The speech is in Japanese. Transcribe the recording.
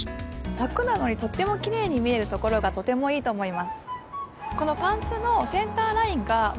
ラクなのにとてもきれいに見えるところがとてもいいと思います。